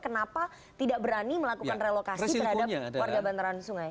kenapa tidak berani melakukan relokasi terhadap warga bantaran sungai